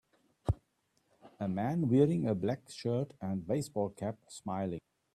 A man wearing a black shirt and baseball cap smiling.